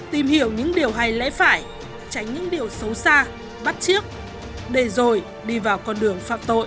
tìm hiểu những điều hay lẽ phải tránh những điều xấu xa bắt trước để rồi đi vào con đường phạm tội